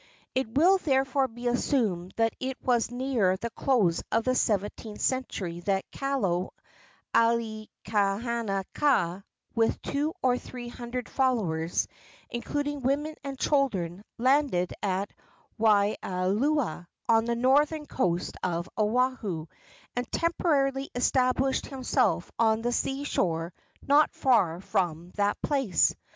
It will therefore be assumed that it was near the close of the seventeenth century that Kalo Aikanaka, with two or three hundred followers, including women and children, landed at Waialua, on the northern coast of Oahu, and temporarily established himself on the sea shore not far from that place.